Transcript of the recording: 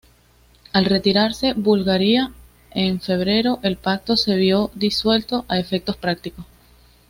Al retirarse Bulgaria en febrero, el Pacto se vio disuelto a efectos prácticos.